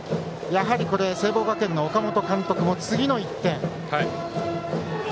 やはり、聖望学園の岡本監督も次の１点が。